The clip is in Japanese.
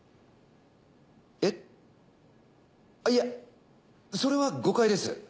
えっいやそれは誤解です。